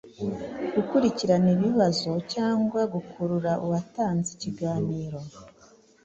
gukurikirana ibibazo cyangwa gukurura uwatanze ikiganiro